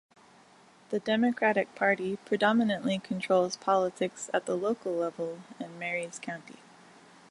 The Democratic Party predominantly controls politics at the local level in Maries County.